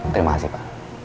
terima kasih pak